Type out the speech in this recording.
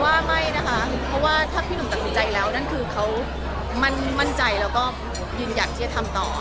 ว่าไม่นะคะเพราะว่าถ้าพี่หนุ่มตัดสินใจแล้วนั่นคือเขามั่นใจแล้วก็ยืนหยัดที่จะทำต่อ